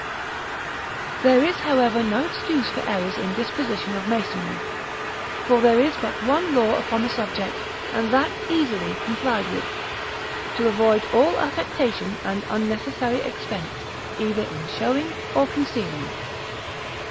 There is, however, no excuse for errors in disposition of masonry, for there is but one law upon the subject, and that easily complied with, to avoid all affectation and all unnecessary expense, either in showing or concealing.